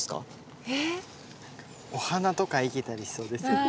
お花とか生けたりしそうですよね。